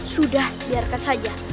sudah biarkan saja